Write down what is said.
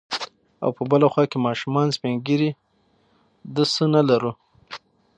او په بله خوا کې ماشومان، سپين ږيري، د څه نه لرو.